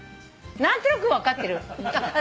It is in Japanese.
何となく分かってる。